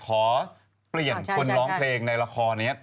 ขอเปลี่ยนคนร้องเพลงในละครนี้